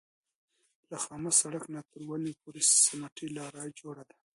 له خامه سړک نه تر ونې پورې سمټي لاره جوړه ده.